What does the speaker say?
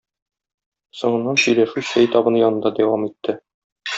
Соңыннан сөйләшү чәй табыны янында дәвам итте.